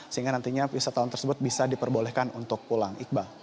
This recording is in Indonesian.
sehingga nantinya wisatawan tersebut bisa diperbolehkan untuk pulang